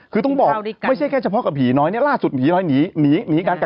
คือต้องบอกไม่ใช่แค่เฉพาะกับผีน้อยล่าสุดผีน้อยหนีกันกักตัวอีก๑๘คนนะ